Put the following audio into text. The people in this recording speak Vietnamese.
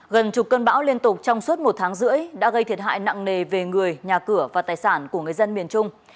gần chục cơn bão liên tục trong suốt một tháng rưỡi đã gây thiệt hại nặng nề về người nhà cửa và tài sản của người dân miền trung